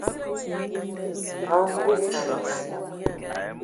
A Mvu a man taa,